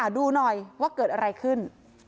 ดูหน่อยว่าเกิดอะไรขึ้น